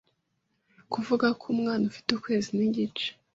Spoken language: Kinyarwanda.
kivuga ko umwana ufite ukwezi n’igice